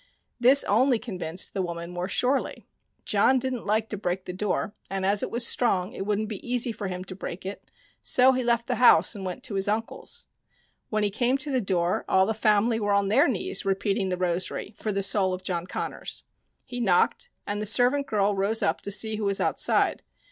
This only convinced the woman more surely. John didn't like to break the door, and as it was strong, it wouldn't be easy for him to break it, so he left the house and went to his uncle's. When he came to the door all the family were on their knees repeating the rosary for the soul of John Connors. He knocked, and the servant girl rose up to see who was outside.